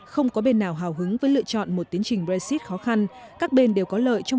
không có bên nào hào hứng với lựa chọn một tiến trình brexit khó khăn các bên đều có lợi trong